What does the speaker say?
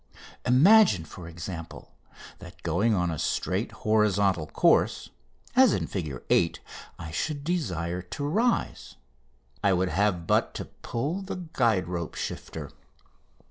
Imagine, for example, that going on a straight horizontal course (as in Fig. 8) I should desire to rise. I would have but to pull in the guide rope shifter.